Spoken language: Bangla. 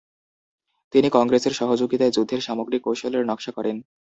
তিনি কংগ্রেসের সহযোগিতায় যুদ্ধের সামগ্রিক কৌশলের নকশা করেন।